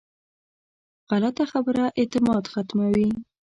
غلطه خبره اعتماد ختموي